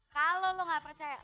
kalau lo gak percaya